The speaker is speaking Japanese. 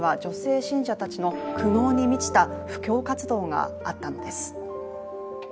その背景には女性信者たちの苦悩に満ちた布教活動があったのです。